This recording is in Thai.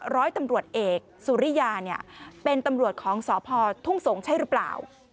ร้อยตำรวจเอกสุริยาเป็นตำรวจของสพทุ่งสงศ์ใช่หรือเปล่า